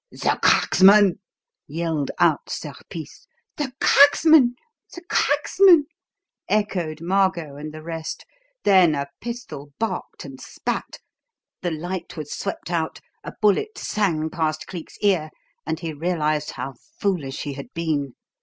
"The cracksman!" yelled out Serpice. "The cracksman! The cracksman!" echoed Margot and the rest. Then a pistol barked and spat, the light was swept out, a bullet sang past Cleek's ear, and he realised how foolish he had been.